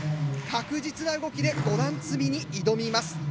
確実な動きで５段積みに挑みます。